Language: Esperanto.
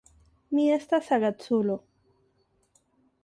Mi estas agaculo.